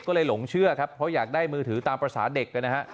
ก็เลยหลงเชื่อครับเพราะอยากได้มือถือตามภาษาเด็กนะฮะ